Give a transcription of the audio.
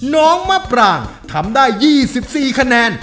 น้องมะปรางทำได้๒๔คะแนน